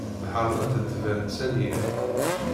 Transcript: Lḥeṛma tettban s anyir.